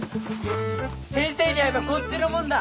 先生に会えばこっちのもんだ！